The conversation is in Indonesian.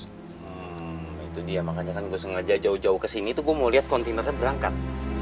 hmm itu dia makanya kan gue sengaja jauh jauh ke sini tuh gue mau lihat kontainernya berangkat